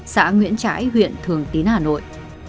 xã nguyễn trãi huyện thường tín hà nội